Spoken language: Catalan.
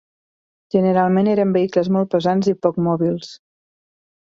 Generalment eren vehicles molt pesants i poc mòbils.